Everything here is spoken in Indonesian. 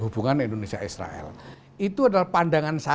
hubungan indonesia israel ini tidak bisa dibisarkan dari palestina